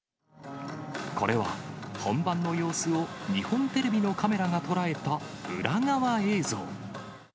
これは、本番の様子を日本テレビのカメラが捉えた裏側映像。